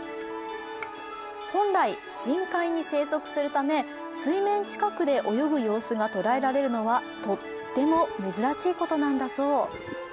本来、深海に生息するため、水面近くで泳ぐ様子が捉えられるのはとっても珍しいことなんだそう。